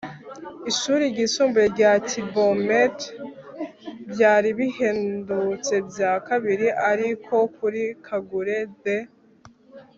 ishuri ryisumbuye rya kibomet. byari bihendutse bya kabiri, ariko kuri kagure, the